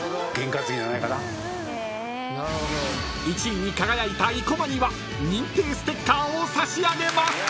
［１位に輝いた生駒には認定ステッカーを差し上げます］